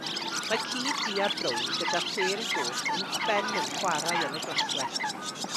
Mae ci du a brown gyda phêl goch uwchben yn chwarae yn y glaswellt.